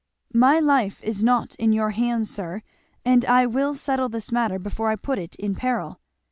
"My life is not in your hands, sir, and I will settle this matter before I put it in peril.